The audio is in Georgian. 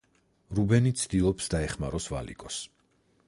რუბენი ცდილობს, დაეხმაროს ვალიკოს.